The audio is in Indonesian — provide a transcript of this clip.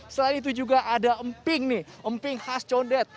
selain itu juga ada emping nih emping khas condet